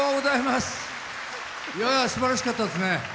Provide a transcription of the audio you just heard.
すばらしかったですね。